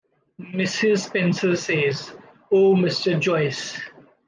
Mrs. Spencer says — oh, Mr. Joyce!